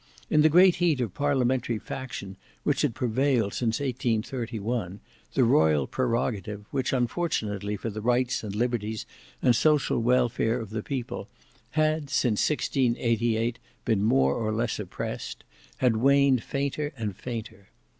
In the great heat of parliamentary faction which had prevailed since 1831, the royal prerogative, which, unfortunately for the rights and liberties and social welfare of the people, had since 1688 been more or less oppressed, had waned fainter and fainter.